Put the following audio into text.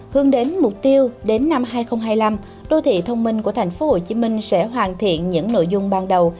hướng đến mục tiêu đến năm hai nghìn hai mươi năm đô thị thông minh của thành phố hồ chí minh sẽ hoàn thiện những nội dung ban đầu